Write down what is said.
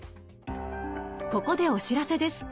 ここでお知らせです